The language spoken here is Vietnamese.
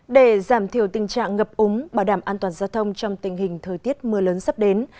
để giảm thiểu tình trạng ngập úng bảo đảm an toàn giao thông trong tình hình thời tiết mưa lớn sắp đến